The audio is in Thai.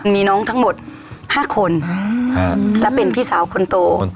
มีน้องทั้งหมด๕คนและเป็นพี่สาวคนโต